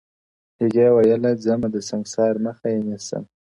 هغې ويله ځمه د سنگسار مخه يې نيسم!!